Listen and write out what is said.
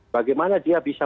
bagaimana dia bisa